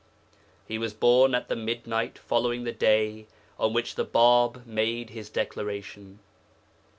He was born at the midnight following the day on which the Bāb made his declaration.